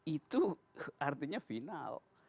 itu artinya final